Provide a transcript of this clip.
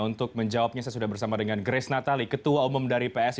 untuk menjawabnya saya sudah bersama dengan grace natali ketua umum dari psi